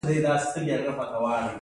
له مالیې تیښته بیت المال تشوي.